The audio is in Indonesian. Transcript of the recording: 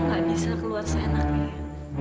kamu gak bisa keluar sehenaknya